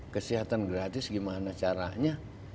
kesehatan gratis gimana caranya